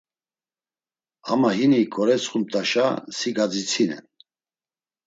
Ama hini ǩoretsxumt̆aşa si gadzitsinen.